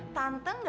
tante gak akan keluar